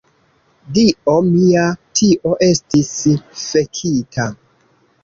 ... Dio mia, tio estis fekita!